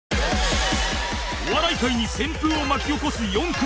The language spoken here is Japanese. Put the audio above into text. お笑い界に旋風を巻き起こす４組